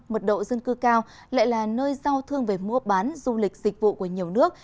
mật độ dân cư cao lại là nơi giao thương về mua bán du lịch dịch vụ của nhiều nước